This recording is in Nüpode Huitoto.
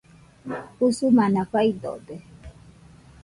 Usumana faidode